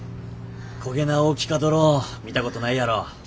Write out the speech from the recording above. こげな大きかドローン見たことないやろ。